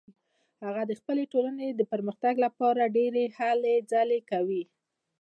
هغه د خپلې ټولنې د پرمختګ لپاره ډیرې هلې ځلې کوي